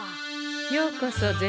ようこそ銭